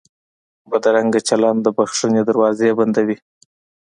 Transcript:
بدرنګه چلند د بښنې دروازې بندوي